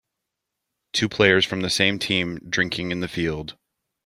Two players from the same team drinking in the field.